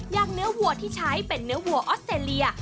อย่างเนื้อวัวที่ใช้เป็นเนื้อวัวออสเตรเลีย